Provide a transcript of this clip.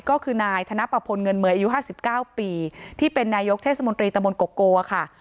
ก็คือนายธนปะพลเงินมืออายุ๕๙ปีที่เป็นนายกเทศมนตรีตะมนโกโกค่ะ